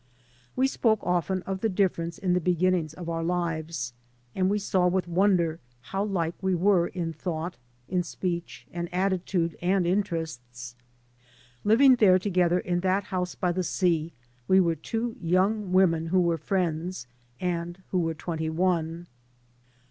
We spoke often of the difference in the beginnings of our lives; and we saw with wonder how like were we in thought, in speech, and attitude, and interests. Living there together in that house by the sea, we were two young women who were friends, and who were twenty one.